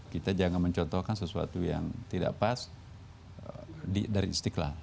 kita jangan mencontohkan sesuatu yang tidak pas dari istiqlal